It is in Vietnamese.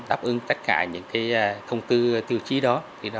đáp ứng tất cả những thông tư tiêu chí đó